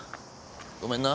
ごめんな。